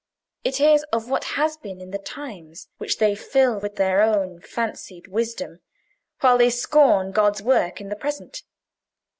It is of what has been in the times which they fill with their own fancied wisdom, while they scorn God's work in the present.